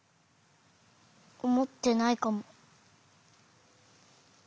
おもってないかも。